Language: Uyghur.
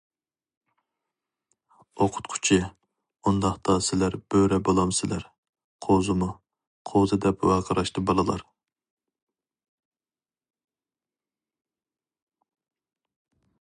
ئوقۇتقۇچى:« ئۇنداقتا، سىلەر بۆرە بولامسىلەر، قوزىمۇ؟»،« قوزا» دەپ ۋارقىراشتى بالىلار.